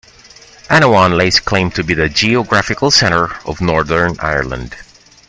Annaghone lays claim to be the geographical centre of Northern Ireland.